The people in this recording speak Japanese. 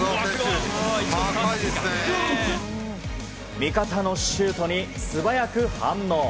味方のシュートに素早く反応。